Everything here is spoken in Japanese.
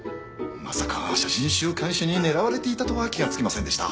まさか写真週刊誌に狙われていたとは気がつきませんでした。